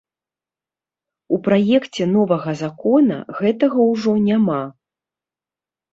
У праекце новага закона гэтага ўжо няма.